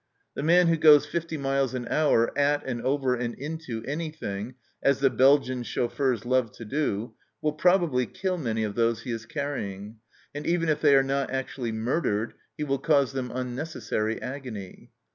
The man who goes fifty miles an hour at and over and into any thing, as the Belgian chauffeurs love to do, will probably kill many of those he is carrying, and even if they are not actually murdered, he will cause them unnecessary agony.